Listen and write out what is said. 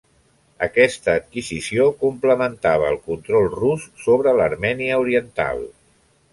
Aquesta adquisició complementava el control rus sobre l'Armènia oriental.